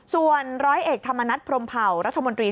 ส่วนร้อยเอกธรรมนัฐพรมเผารัฐมนตรี